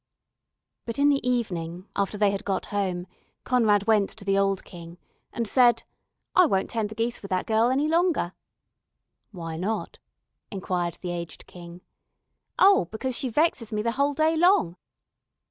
But in the evening after they had got home, Conrad went to the old King, and said: "I won't tend the geese with that girl any longer!" "Why not?" inquired the aged King. "Oh, because she vexes me the whole day long."